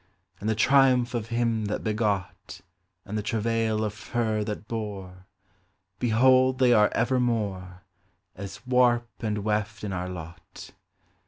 And the triumph of him that begot, And the travail of her that bore, Behold, they are evermore As warp and weft in our lot.